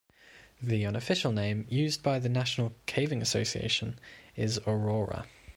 The unofficial name used by the national caving association is "Aurora".